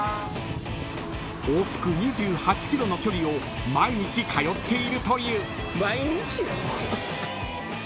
［往復２８ｋｍの距離を毎日通っているという］